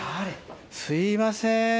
すいません。